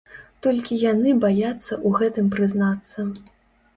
Толькі яны баяцца ў гэтым прызнацца.